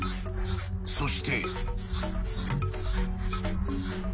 ［そして］